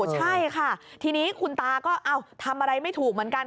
ใช่ค่ะทีนี้คุณตาก็ทำอะไรไม่ถูกเหมือนกัน